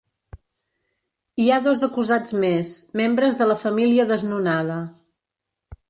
Hi ha dos acusats més, membres de la família desnonada.